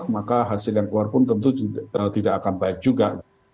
maka hasil yang keluar pun tentu tidak akan baik juga